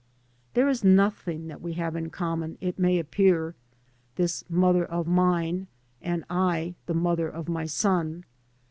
{There is nothing that we have in common, it may appear, this mother of mine, and I, the mother of my son.